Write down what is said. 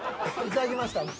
いただきました。